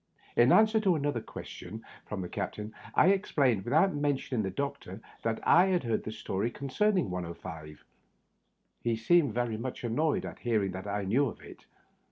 81 In answer to another question from the captain, I ex plained, without mentioning the doctpr, that I had heard the story concerning 105. He seemed very much an noyed at hearing that I knew of it.